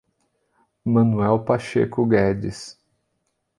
Manoel Pacheco Guedes